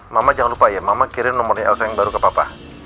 mama jangan lupa ya mama kirim nomor lc yang baru ke papa